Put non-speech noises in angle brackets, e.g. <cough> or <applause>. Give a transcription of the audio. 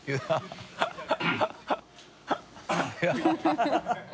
ハハハ <laughs>